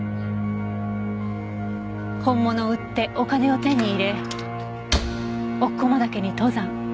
本物を売ってお金を手に入れ奥駒岳に登山。